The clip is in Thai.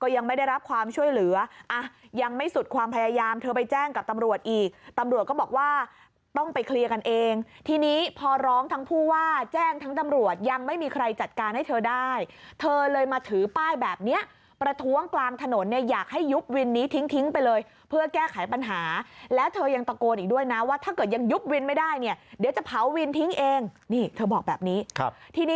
ยังไม่สุดความพยายามเธอไปแจ้งกับตำรวจอีกตำรวจก็บอกว่าต้องไปเคลียร์กันเองทีนี้พอร้องทั้งผู้ว่าแจ้งทั้งตำรวจยังไม่มีใครจัดการให้เธอได้เธอเลยมาถือป้ายแบบนี้ประท้วงกลางถนนเนี่ยอยากให้ยุบวินนี้ทิ้งไปเลยเพื่อแก้ไขปัญหาและเธอยังตะโกนอีกด้วยนะว่าถ้าเกิดยังยุบวินไม่ได้เนี่ยเดี